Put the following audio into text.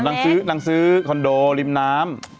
บันไดนางซื้อคอนโดริมนาม